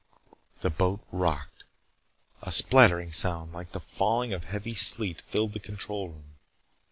The boat rocked. A spattering sound like the falling of heavy sleet filled the control room.